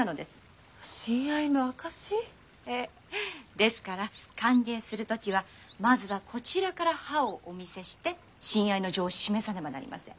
ですから歓迎する時はまずはこちらから歯をお見せして親愛の情を示さねばなりません。